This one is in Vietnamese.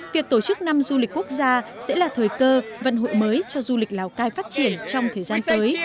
việc tổ chức năm du lịch quốc gia sẽ là thời cơ vận hội mới cho du lịch lào cai phát triển trong thời gian tới